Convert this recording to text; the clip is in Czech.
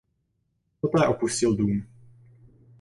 Poté opustil dům.